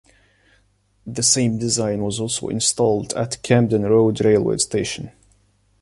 The same design was also installed at Camden Road railway station.